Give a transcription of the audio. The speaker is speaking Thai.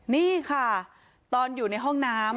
นี่ค่ะตอนอยู่ในห้องน้ำ